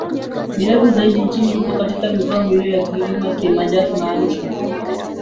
mirefu zaidi nchini ipo katika mikoa miwili tu ya Kilimanjaro na Arusha